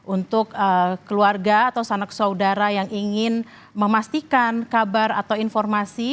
untuk keluarga atau sanak saudara yang ingin memastikan kabar atau informasi